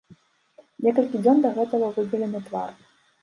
Некалькі дзён да гэтага выгалены твар.